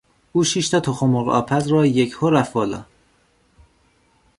او ششتا تخم مرغ آبپز را یکهو رفت بالا.